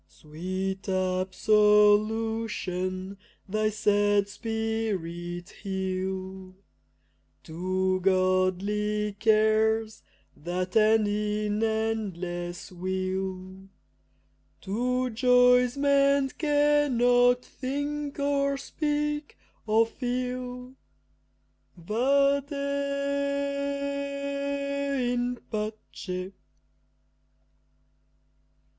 Sweet absolution thy sad spirit heal; To godly cares that end in endless weal, To joys man cannot think or speak or feel, Vade in pace!